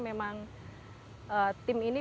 memang tim ini